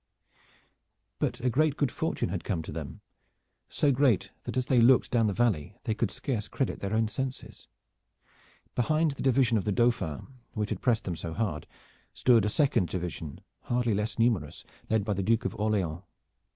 But a great good fortune had come to them so great that as they looked down the valley they could scarce credit their own senses. Behind the division of the Dauphin, which had pressed them so hard, stood a second division hardly less numerous, led by the Duke of Orleans.